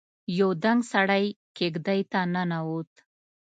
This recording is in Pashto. يو دنګ سړی کېږدۍ ته ننوت.